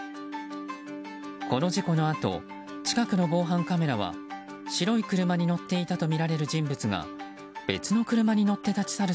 この事故のあと近くの防犯カメラは白い車に乗っていたとみられる人物が別の車に乗って立ち去る